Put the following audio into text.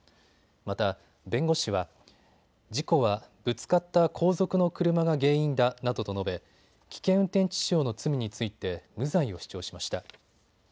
また、弁護士は事故はぶつかった後続の車が原因だなどと述べ危険運転致死傷の罪について無罪を主張しました。